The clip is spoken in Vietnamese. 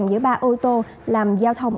giữa ba ô tô làm giao thông